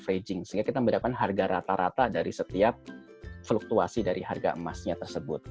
sehingga kita mendapatkan harga rata rata dari setiap fluktuasi dari harga emasnya tersebut